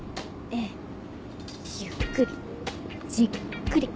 ええゆっくりじっくり。